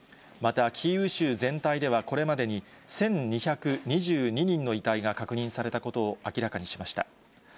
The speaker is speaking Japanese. また、キーウ州全体では、これまでに１２２２人の遺体が確認されたことを明らかにしました。